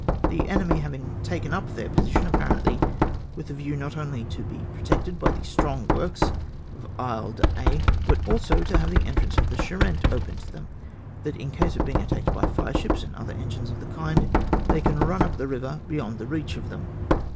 " The enemy having taken up their position apparently with the view not only to be protected by the strong ivorks on the Isle d'Aix, but also to have the entrance of the Charente open to them, that in case of being attacked by fire ships and other engines of the kind, they can run up the river beyond the reach of them.